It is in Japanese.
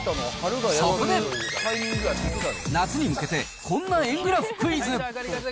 そこで、夏に向けてこんな円グラフクイズ。